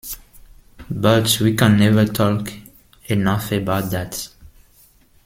But we can never talk enough about that.